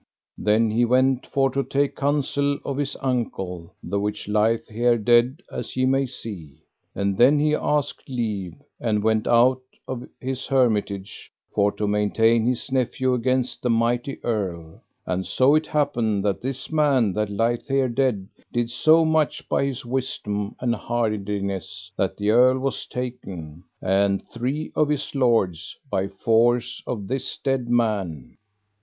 Then he went for to take counsel of his uncle, the which lieth here dead as ye may see. And then he asked leave, and went out of his hermitage for to maintain his nephew against the mighty earl; and so it happed that this man that lieth here dead did so much by his wisdom and hardiness that the earl was taken, and three of his lords, by force of this dead man.